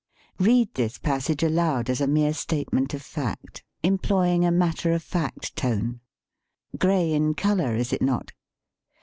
Read this passage aloud as a mere state ment of fact, employing a matter of fact THE SPEAKING VOICE tone. Gray in color, is it not